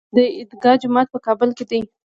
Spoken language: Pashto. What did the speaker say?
د عیدګاه جومات په کابل کې دی